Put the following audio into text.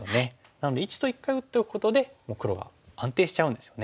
なので①と一回打っておくことでもう黒が安定しちゃうんですよね。